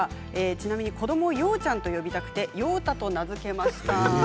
子どもを、ようちゃんと呼びたくて、ようたと名付けました。